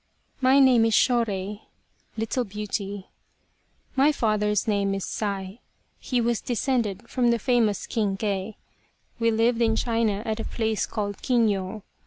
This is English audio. " My name is Shorei (Little Beauty). My father's name is Sai. He was descended from the famous Kinkei. We lived in China at a place called Kinyo.